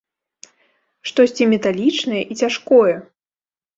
Штосьці металічнае і цяжкое!